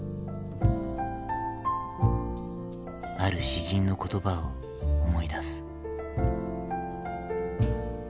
ある詩人の言葉を思い出す。